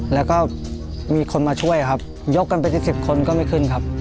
แล้วก็มีคนมาช่วยครับยกกันเป็นสิบสิบคนก็ไม่ขึ้นครับ